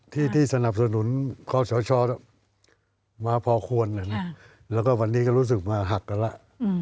ที่ที่สนับสนุนคอสชมาพอควรแล้วก็วันนี้ก็รู้สึกมาหักกันแล้ว